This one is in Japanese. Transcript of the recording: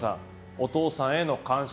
お父さんへの感謝